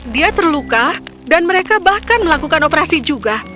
dia terluka dan mereka bahkan melakukan operasi juga